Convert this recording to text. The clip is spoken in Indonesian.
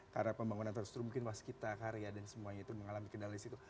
karena pembangunan tersebut mungkin waskita karya dan semuanya itu mengalami kendala disitu